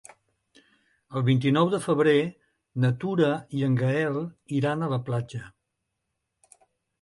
El vint-i-nou de febrer na Tura i en Gaël iran a la platja.